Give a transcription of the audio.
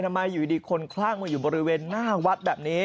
อยู่ดีคนคลั่งมาอยู่บริเวณหน้าวัดแบบนี้